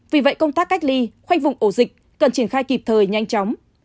vì vậy công tác cách ly khoanh vùng ổ dịch cần triển khai kịp thời nhanh chóng